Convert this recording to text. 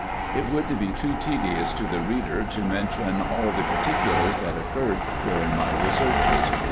It would be too tedious to the reader, to mention all the par ticulars that occurred during my researches.